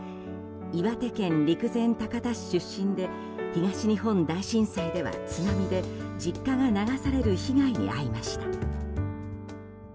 岩手県陸前高田市出身で東日本大震災では津波で、実家が流される被害に遭いました。